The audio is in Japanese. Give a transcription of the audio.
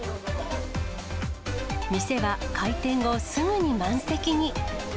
店は開店後、すぐに満席に。